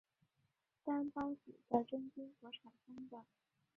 担孢子的真菌所产生的。